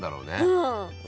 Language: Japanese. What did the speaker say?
うん。